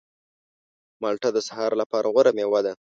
مالټه د سهار لپاره غوره مېوه ده.